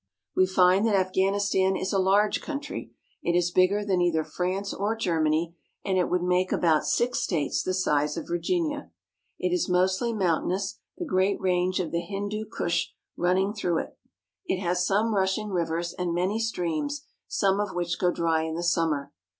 We find that Afghanistan is a large country. It is bigger than either France or Germany, and it would make about six states the size of Virginia. It is mostly mountainous, the great range of the Hindu Kush running through it. It has some rushing rivers and many streams, some of which go dry in the summer.